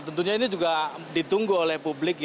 tentunya ini juga ditunggu oleh publik